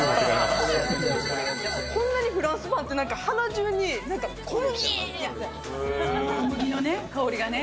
こんなにフランスパンって、小麦の香りがね。